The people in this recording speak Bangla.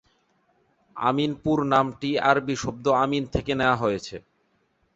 আমিনপুর নামটি আরবি শব্দ 'আমিন' থেকে নেওয়া হয়েছে।